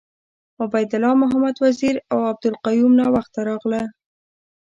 عبید الله محمد وزیر اوعبدالقیوم ناوخته راغله .